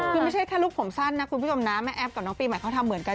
คือไม่ใช่แค่ลูกผมสั้นนะคุณผู้ชมนะแม่แอฟกับน้องปีใหม่เขาทำเหมือนกัน